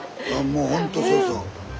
もうほんとそうそう。